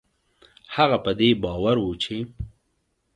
هغه په دې باور و چې